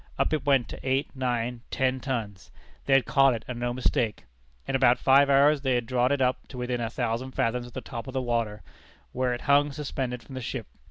Up it went to eight, nine, ten tons! They had caught it, and no mistake. In about five hours they had drawn it up to within a thousand fathoms of the top of the water, where it hung suspended from the ship.